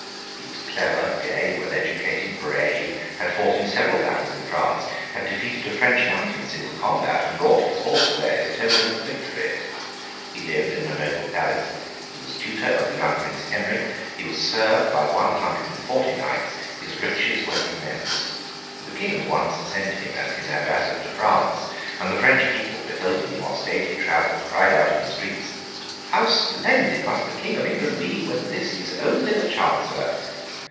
He was clever, gay, well educated, brave; had fought in several battles in France; had defeated a French knight in single combat, and brought his horse away as a token of the victory. He lived in a noble palace, he was the tutor of the young Prince Henry, he was served by one hundred and forty knights, his riches were immense. The King once sent him as his ambassador to France; and the French people, beholding in what state he travelled, cried out in the streets, 'How splendid must the King of England be, when this is only the Chancellor!